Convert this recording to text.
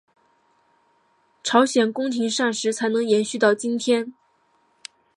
朝鲜宫廷膳食才能延续到今天。